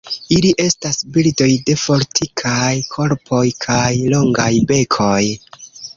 Ili estas birdoj de fortikaj korpoj kaj longaj bekoj.